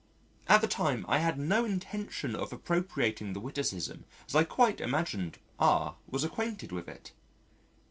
At the time I had no intention of appropriating the witticism as I quite imagined R was acquainted with it.